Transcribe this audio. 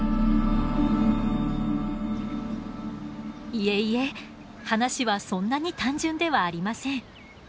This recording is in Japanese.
いえいえ話はそんなに単純ではありません。